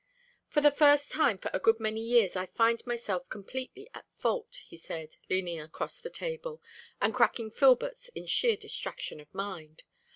"For the first time for a good many years I find myself completely at fault," he said, leaning across the table, and cracking filberts in sheer distraction of mind.